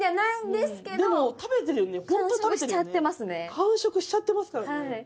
完食しちゃってますからね。